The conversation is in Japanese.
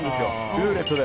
ルーレットで。